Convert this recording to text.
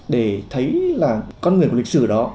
để thấy là con người của lịch sử đó